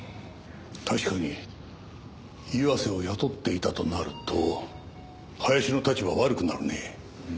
確かに岩瀬を雇っていたとなると林の立場は悪くなるね。